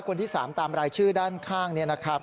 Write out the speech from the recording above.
คนที่๓ตามรายชื่อด้านข้างนี้นะครับ